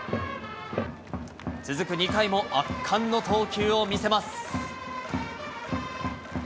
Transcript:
続く２回も圧巻の投球を見せます。